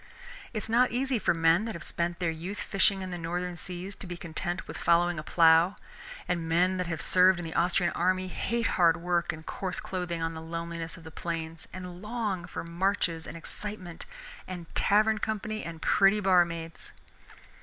It is not easy for men that have spent their youth fishing in the Northern seas to be content with following a plow, and men that have served in the Austrian army hate hard work and coarse clothing on the loneliness of the plains, and long for marches and excitement and tavern company and pretty barmaids.